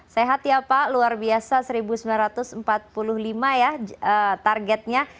sehat ya pak luar biasa seribu sembilan ratus empat puluh lima ya targetnya